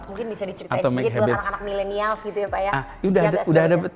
mungkin bisa diceritain sedikit buat anak anak milenial gitu ya pak ya